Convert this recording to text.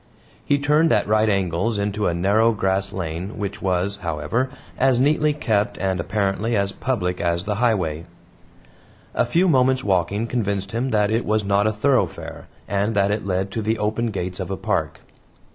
He turned at right angles into a narrow grass lane, which was, however, as neatly kept and apparently as public as the highway. A few moments' walking convinced him that it was not a thoroughfare and that it led to the open gates of a park.